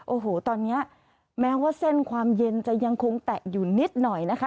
โอ้โหตอนนี้แม้ว่าเส้นความเย็นจะยังคงแตะอยู่นิดหน่อยนะคะ